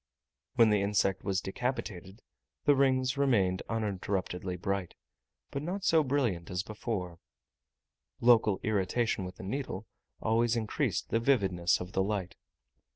When the insect was decapitated the rings remained uninterruptedly bright, but not so brilliant as before: local irritation with a needle always increased the vividness of the light.